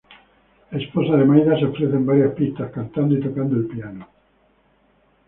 La esposa de Maida se ofrece en varias pistas, cantando y tocando el piano.